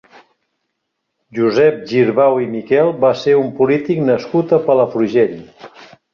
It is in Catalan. Josep Girbau i Miquel va ser un polític nascut a Palafrugell.